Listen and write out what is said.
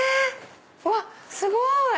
うわっすごい！